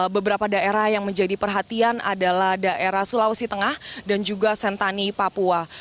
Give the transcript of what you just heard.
beberapa daerah yang menjadi perhatian adalah daerah sulawesi tengah dan juga sentani papua